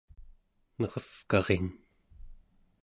nerevkarin